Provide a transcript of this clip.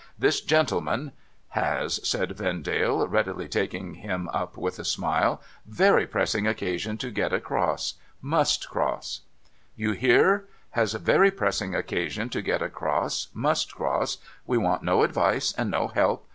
This gentleman ''— Has,' said Vendale, readily taking him up with a smile, ' very pressing occasion to get across. Must cross.' * You hear ?— has very pressing occasion to get across, must cross. We want no advice and no help.